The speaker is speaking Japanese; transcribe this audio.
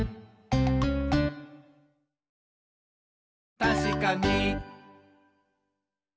「たしかに！」